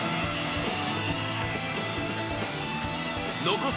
残す